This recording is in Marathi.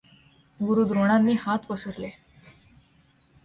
गुरू द्रोणांनी हात पसरले.